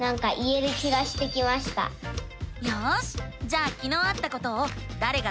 よしじゃあきのうあったことを「だれが」